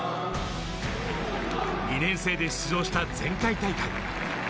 ２年生で出場した前回大会。